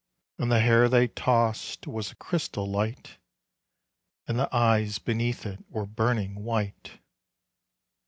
And the hair they tossed was a crystal light, And the eyes beneath it were burning white.